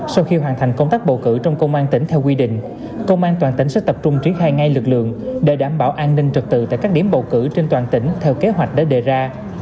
sau khi hoàn thành công tác bầu cử trong công an tỉnh theo quy định công an toàn tỉnh sẽ tập trung triển khai ngay lực lượng để đảm bảo an ninh trật tự tại các điểm bầu cử trên toàn tỉnh theo kế hoạch đã đề ra